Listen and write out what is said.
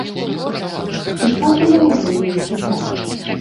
Ці шмат беларусаў яе чыталі?